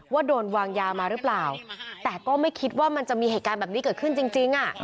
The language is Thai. ว่าโดนวางยามาหรือเปล่าแต่ก็ไม่คิดว่ามันจะมีเหตุการณ์แบบนี้เกิดขึ้นจริงอ่ะ